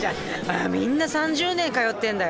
あみんな３０年通ってんだよ。